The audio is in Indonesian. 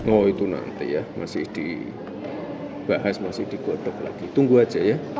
oh itu nanti ya masih dibahas masih digodok lagi tunggu aja ya